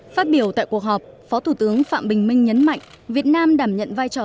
phát biểu tại cuộc họp phó thủ tướng phạm bình minh nhấn mạnh việt nam đảm nhận vai trò